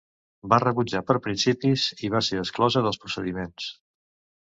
Va rebutjar per principis i va ser exclosa dels procediments.